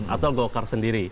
atau golkar sendiri